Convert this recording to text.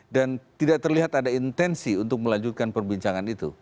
dan tidak terlihat ada intensi untuk melanjutkan perbincangan itu